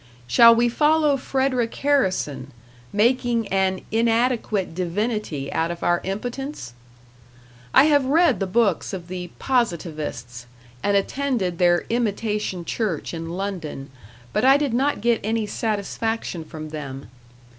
Shall we follow Frederic Harrison, making an inadequate divinity out of our impotence? I have read the books of the "Positivists", and attended their imitation church in London, but I did not get any satisfaction from them.